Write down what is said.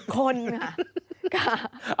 คนนะคะ